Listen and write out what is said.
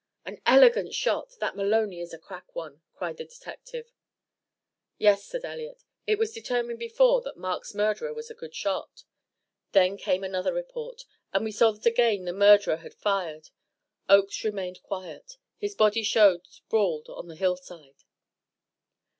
"An elegant shot! That Maloney is a crack one," cried the detective. "Yes," said Elliott; "it was determined before that Mark's murderer was a good shot." Then came another report, and we saw that again the murderer had fired. Oakes remained quiet. His body showed sprawled on the hill side.